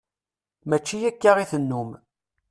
Mačči akka i tennum.